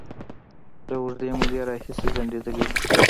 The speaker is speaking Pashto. له اوږدې مودې راهیسې ځنډيدلې دي